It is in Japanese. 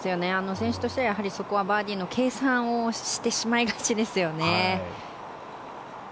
選手としてはやはりバーディーの計算をしてしまいがちですよね。